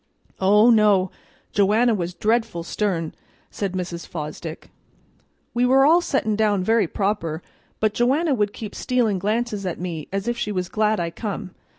"Oh no, Joanna was dreadful stern," said Mrs. Fosdick. "We were all settin' down very proper, but Joanna would keep stealin' glances at me as if she was glad I come.